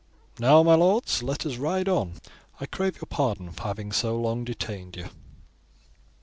Now, my lords, let us ride on; I crave your pardon for having so long detained you."